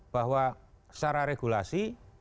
bahwa secara regulasi